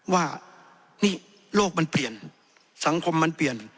ว่านี่โลกมันเปลี่ยนสังคมมันเปลี่ยน